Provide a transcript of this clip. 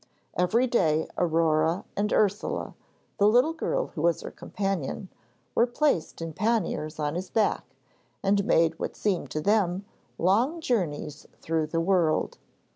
Every day Aurore and Ursule, the little girl who was her companion, were placed in panniers on his back, and made what seemed to them long journeys through the world.